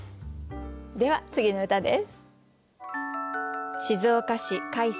では次の歌です。